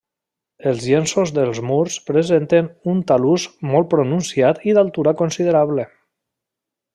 Els llenços dels murs presenten un talús molt pronunciat i d'altura considerable.